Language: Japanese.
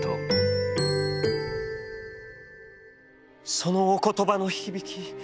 「そのお言葉の響き